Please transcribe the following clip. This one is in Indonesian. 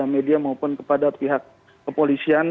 media maupun kepada pihak kepolisian